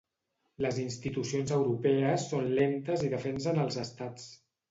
Les institucions europees són lentes i defensen els estats.